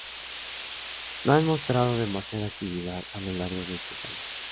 No han mostrado demasiada actividad a lo largo de estos años.